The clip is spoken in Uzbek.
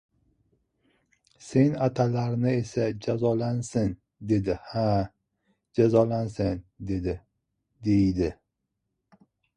— Sen atalalarni esa jazolansin, dedi, ha, jazolansin, dedi! — deydi.